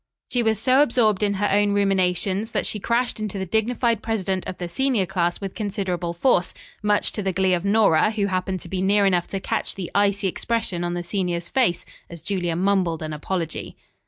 She was so absorbed in her own ruminations that she crashed into the dignified president of the senior class with considerable force, much to the glee of Nora, who happened to be near enough to catch the icy expression on the senior's face as Julia mumbled an apology.